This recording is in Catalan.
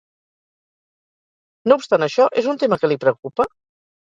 No obstant això, és un tema que li preocupa?